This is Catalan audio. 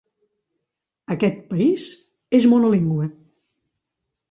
Aquest país és monolingüe.